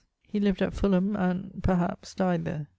He lived at Fulham, and (perhaps) died there.